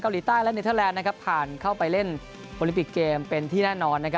ใต้และเนเทอร์แลนด์ผ่านเข้าไปเล่นโอลิมปิกเกมเป็นที่แน่นอน